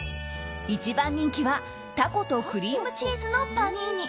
１番人気はタコとクリームチーズのパニーニ。